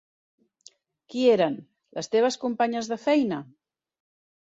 Qui eren, les teves companyes de feina?